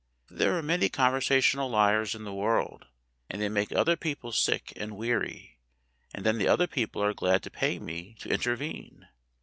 There are many conversational liars in the world, and they make other people sick and weary, and then the other people are glad to pay me to intervene.